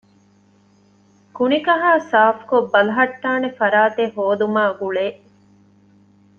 ކުނިކަހައި ސާފުކޮށް ބަލަހައްޓާނެ ފަރާތެއް ހޯދުމާ ގުޅޭ